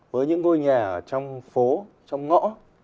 với những ngôi nhà ở trong phố trong ngõ